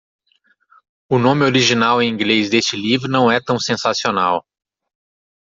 O nome original em inglês deste livro não é tão sensacional.